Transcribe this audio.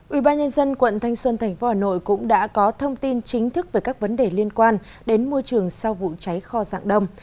ủy ban nhân dân quận thanh xuân tp hà nội cũng đã có thông tin chính thức về các vấn đề liên quan đến môi trường sau vụ cháy kho dạng đông